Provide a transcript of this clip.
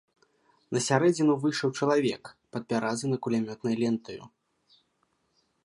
На сярэдзіну выйшаў чалавек, падпяразаны кулямётнаю лентаю.